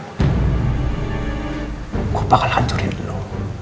gua bakal hancurin lu